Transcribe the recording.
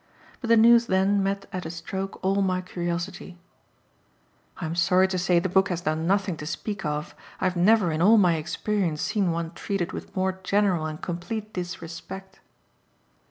But the news then met at a stroke all my curiosity: "I'm sorry to say the book has done nothing to speak of; I've never in all my experience seen one treated with more general and complete disrespect."